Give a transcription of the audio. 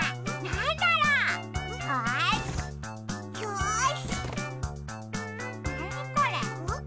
なにこれ？